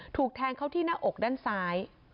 ถูกแทงเข้าที่หน้าอกด้านซ้าย